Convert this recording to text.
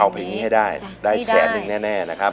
เอาเพลงนี้ให้ได้ได้แสนหนึ่งแน่นะครับ